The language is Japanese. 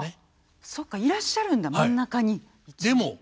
そっかいらっしゃるんだ真ん中に。